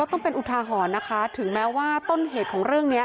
ต้องเป็นอุทาหรณ์นะคะถึงแม้ว่าต้นเหตุของเรื่องนี้